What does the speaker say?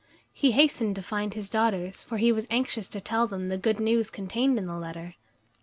He hastened to find his daughters, for he was anxious to tell them the good news contained in the letter.